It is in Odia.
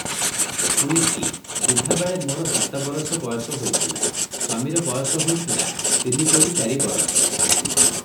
ଶୁଣିଛି, ବିଭାବେଳେ ମୋର ସାତବରଷ ବୟସ ହୋଇଥିଲା, ସ୍ୱାମୀର ବୟସ ହୋଇଥିଲା ତିନିକୋଡ଼ି ଚାରି ବରଷ ।